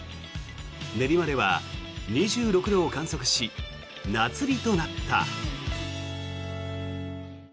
練馬では２６度を観測し夏日となった。